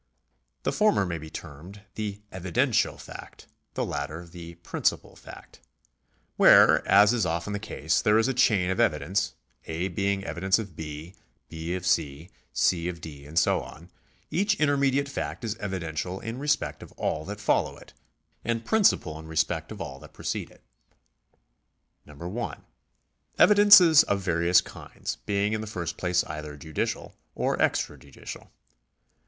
The former may be termed the evidential fact, the latter the 'principal fact. Where, as is often the case, there is a chain of evidence, A. being evidence of B., B. of C, C. of D. and so on, each intermediate fact is evidential in respect of all that follow it and principal in respect of all that precede it. 1. Evidence is of various kinds, being in the first place either judicial or extrajudicial.